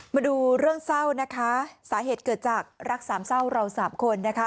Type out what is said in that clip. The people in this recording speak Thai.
มาดูเรื่องเศร้านะคะสาเหตุเกิดจากรักสามเศร้าเราสามคนนะคะ